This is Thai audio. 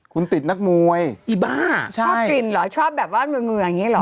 คุณติดนักมวยอีบ้าชอบกลิ่นเหรอชอบแบบว่าเหงื่ออย่างนี้เหรอ